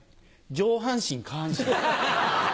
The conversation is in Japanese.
上半身下半身。